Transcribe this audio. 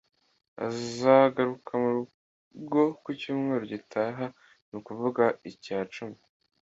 Azagaruka murugo ku cyumweru gitaha, ni ukuvuga icya cumi